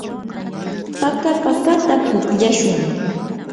paka pakata pukllashun.